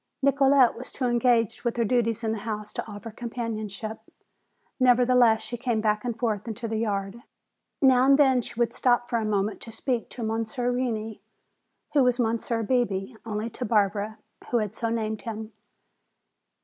Nicolete was too engaged with her duties in the house to offer companionship. Nevertheless, she came back and forth into the yard. Now and then she would stop for a moment to speak to Monsieur Reney, who was Monsieur Bebé only to Barbara, who had so named him.